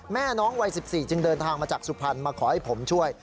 แม่น้องวัย๑๔จึงเดินทางมาจากสุพรรณมาขอให้ผมช่วย